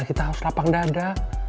kita harus lapang dada